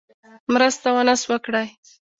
مرسته ونه سوه کړای.